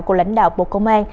của lãnh đạo bộ công an